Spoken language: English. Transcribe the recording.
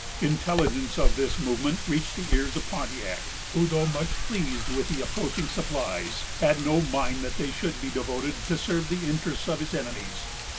Intelligence of this movement reached the ears of Pontiac, who, though much pleased with the approaching supplies, had no mind that they should be devoted to serve the interests of his enemies.